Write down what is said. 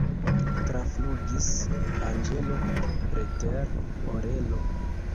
Traflugis anĝelo preter orelo.